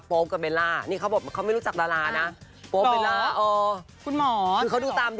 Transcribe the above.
โป๊ปกับเบลล่านี่เขาบอกว่าเขาไม่รู้จักลานะ